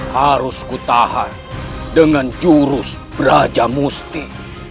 harus ku tahan dengan jurus brajamusti